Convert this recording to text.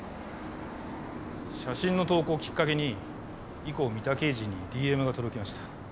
写真の投稿をきっかけに以降三田刑事にＤＭが届きました。